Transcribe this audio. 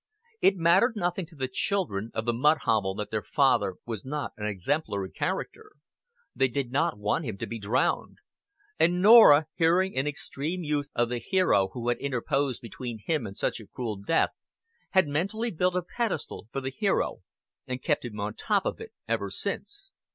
It mattered nothing to the children of the mud hovel that their father was not an exemplary character; they did not want him to be drowned; and Norah, hearing in extreme youth of the hero who had interposed between him and such a cruel death, had mentally built a pedestal for the hero and kept him on top of it ever since.